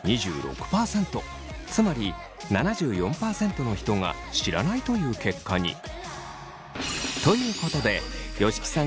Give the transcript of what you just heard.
つまり７４％の人が知らないという結果に。ということで吉木さん